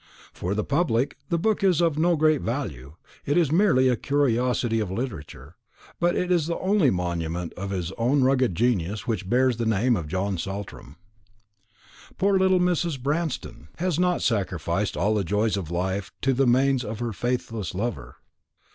For the public the book is of no great value; it is merely a curiosity of literature; but it is the only monument of his own rugged genius which bears the name of John Saltram. Poor little Mrs. Branston has not sacrificed all the joys of life to the manes of her faithless lover.